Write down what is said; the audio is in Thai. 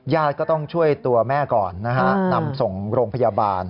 ญาติก็ต้องช่วยตัวแม่ก่อนนำส่งโรงพยาบาล